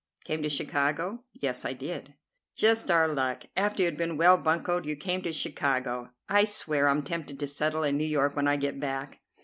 "Came to Chicago?" "Yes, I did." "Just our luck. After you had been well buncoed you came to Chicago. I swear I'm tempted to settle in New York when I get back."